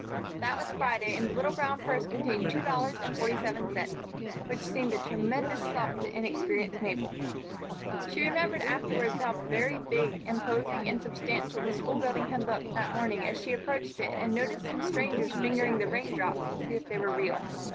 That was Friday, and the little brown purse contained two dollars and forty seven cents, which seemed a tremendous sum to inexperienced Mabel. She remembered afterwards how very big, imposing and substantial the school building had looked that morning as she approached it and noticed some strangers fingering the "rain drops" to see if they were real.